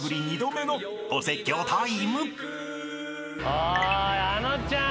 おーいあのちゃん。